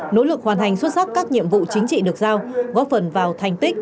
nỗ lực hoàn thành xuất sắc các nhiệm vụ chính trị được giao góp phần vào thành tích